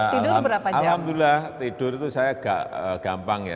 tidur berapa jam alhamdulillah tidur itu saya agak gampang ya